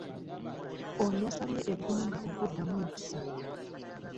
Ono yasabye eggwanga okuddamu empisa